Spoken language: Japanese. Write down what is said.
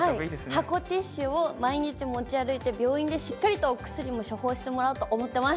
箱ティッシュを毎日持ち歩いて、病院でしっかりとお薬も処方してもらおうと思ってます。